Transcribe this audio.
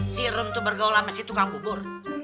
si rum tuh bergaul sama si tukang kubur